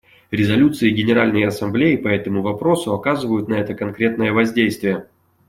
Резолюции Генеральной Ассамблеи по этому вопросу оказывают на это конкретное воздействие.